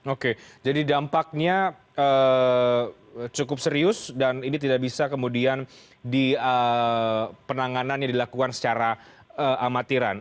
oke jadi dampaknya cukup serius dan ini tidak bisa kemudian di penanganan yang dilakukan secara amatiran